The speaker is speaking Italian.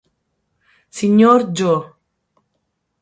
Sig. Gio.